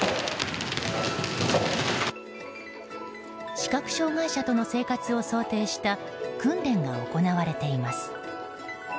視覚障害者との生活を想定した訓練が行われています。